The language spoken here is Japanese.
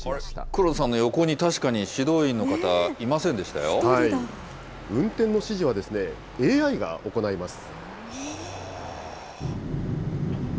黒田さんの横に確かに指導員の方、運転の指示はＡＩが行います。